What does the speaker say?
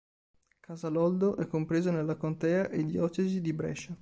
Casaloldo è compreso nella contea e diocesi di Brescia.